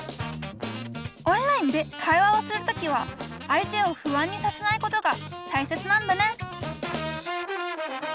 オンラインで会話をする時は相手を不安にさせないことがたいせつなんだね